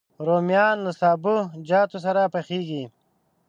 رومیان له سابهجاتو سره پخېږي